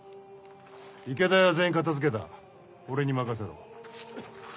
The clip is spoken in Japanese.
池田屋は全員片付けた俺に任せろ。